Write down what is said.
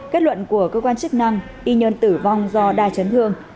kết luận của cơ quan chức năng y nhân tử vong do đa chấn thương